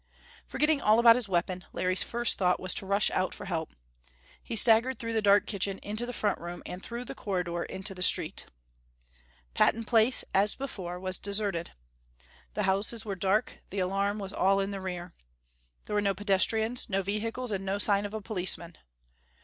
Forgetting all about his weapon, Larry's first thought was to rush out for help. He staggered through the dark kitchen into the front room, and through the corridor into the street. Patton Place, as before, was deserted. The houses were dark; the alarm was all in the rear. There were no pedestrians, no vehicles, and no sign of a policeman.